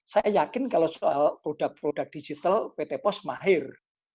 saya yakin kalau soal produk produk digital pt pos mahir